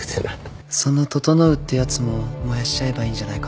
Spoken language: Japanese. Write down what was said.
その整ってやつも燃やしちゃえばいいんじゃないかな。